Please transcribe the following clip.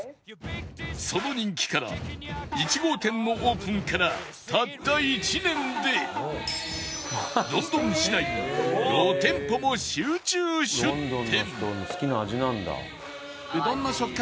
その人気から１号店のオープンからたった１年でロンドン市内に５店舗も集中出店